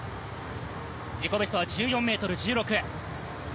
自己ベストは１４ｍ１６。